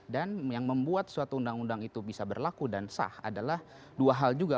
dan yang membuat suatu undang undang itu bisa berlaku dan sah adalah dua hal juga